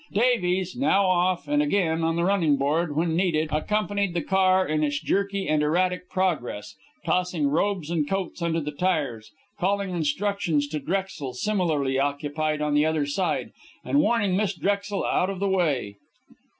Davies, now off, and again on the running board when needed, accompanied the car in its jerky and erratic progress, tossing robes and coats under the tires, calling instructions to Drexel similarly occupied on the other side, and warning Miss Drexel out of the way.